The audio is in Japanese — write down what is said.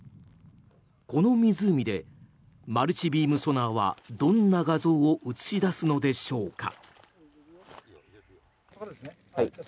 この湖でマルチビームソナーはどんな画像を映し出すのでしょうか。